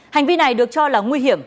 hành vi này được cho là nguy hiểm